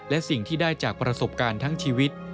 และสิ่งที่ได้จากประสบการณ์ทั้งชีวิต